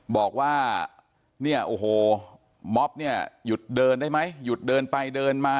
บอกว่าเนี่ยโอ้โหม็อบเนี่ยหยุดเดินได้ไหมหยุดเดินไปเดินมา